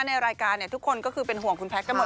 ในรายการทุกคนก็คือเป็นห่วงคุณแพทย์กันหมด